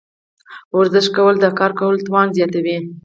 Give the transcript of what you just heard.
ورزش کول د کار کولو توان زیاتوي.